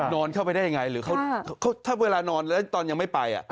นอนเข้าไปได้ยังไงหรือถ้าเวลานอนแล้วตอนยังไม่ไป